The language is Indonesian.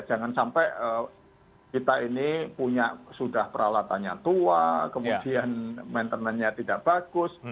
jangan sampai kita ini punya sudah peralatannya tua kemudian maintenannya tidak bagus